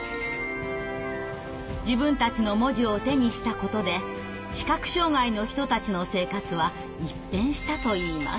自分たちの文字を手にしたことで視覚障害の人たちの生活は一変したといいます。